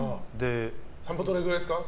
散歩どれくらいですか？